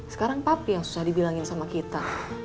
sekarang tapi yang susah dibilangin sama kita